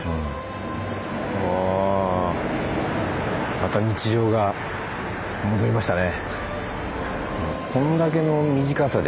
また日常が戻りましたね。